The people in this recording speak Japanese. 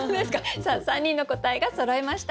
さあ３人の答えがそろいました。